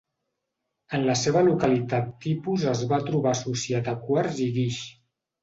En la seva localitat tipus es va trobar associat a quars i guix.